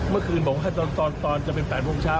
เมื่อคืนบอกว่าตอนจะเป็น๘โมงเช้า